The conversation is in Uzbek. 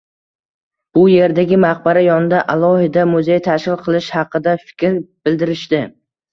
Bu yerdagi maqbara yonida alohida muzey tashkil qilish haqida fikr bildirishdi.